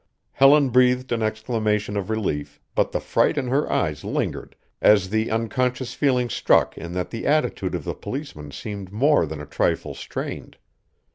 Helen breathed an exclamation of relief, but the fright in her eyes lingered as the unconscious feeling struck in that the attitude of the policeman seemed more than a trifle strained.